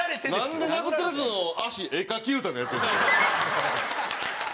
なんで殴ってるヤツの足絵描き歌のやつやねん。